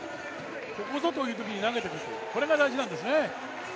ここぞというときに投げてくる、これが大事なんですね。